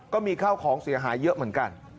ก็มีข้าวของเสียหายเยอะเหมือนกัน